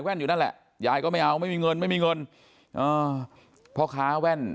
อยู่นั่นแหละยายก็ไม่เอาไม่มีเงินไม่มีเงินพ่อค้าแว่น